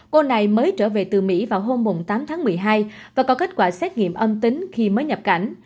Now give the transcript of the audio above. cô này mới trở về từ mỹ vào hôm tám tháng một mươi hai và có kết quả xét nghiệm âm tính khi mới nhập cảnh